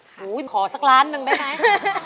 หูยขอสักล้านก็ได้ไหม